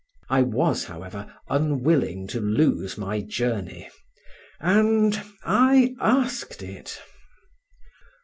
I was, however unwilling to lose my journey, and—I asked it.